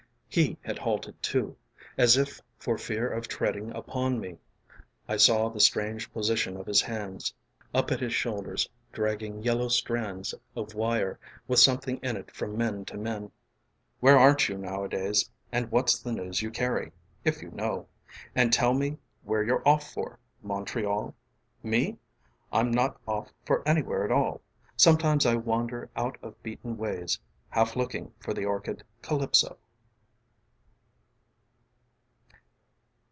He had halted too, As if for fear of treading upon me. I saw the strange position of his hands Up at his shoulders, dragging yellow strands Of wire with something in it from men to men. "You here?" I said. "Where aren't you nowadays And what's the news you carry if you know? And tell me where you're off for Montreal? Me? I'm not off for anywhere at all. Sometimes I wander out of beaten ways Half looking for the orchid Calypso."